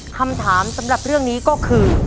คำถามสำหรับเรื่องนี้ก็คือ